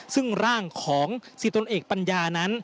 ซึ่งร่างของสิตนเอกปัญญานั้น